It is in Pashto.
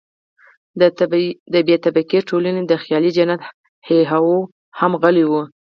د بې طبقې ټولنې د خیالي جنت هیا هوی هم غلی وو.